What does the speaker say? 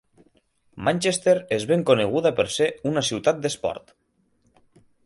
Manchester és ben coneguda per ser una ciutat d'esport.